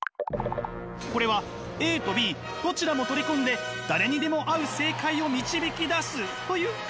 これはＡとＢどちらも取り込んで誰にでも合う正解を導き出すという考え方。